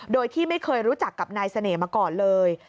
โดยที่ไม่เคยรู้จักกับนายเสน่ห์มาก่อนเลย